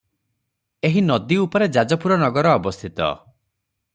ଏହି ନଦୀ ଉପରେ ଯାଜପୁର ନଗର ଅବସ୍ଥିତ ।